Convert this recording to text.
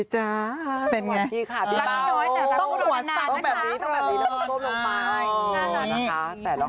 น่าหน่อยนะคะแต่ละ